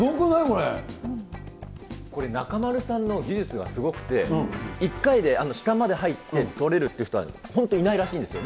これ、中丸さんの技術がすごくて、１回で下まで入って撮れるっていう人は、本当いないらしいんですよ。